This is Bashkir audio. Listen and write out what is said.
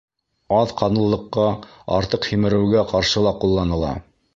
Аҙ ҡанлылыҡҡа, артыҡ һимереүгә ҡаршы ла ҡулланыла.